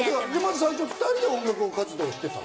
最初は２人で音楽活動してたの？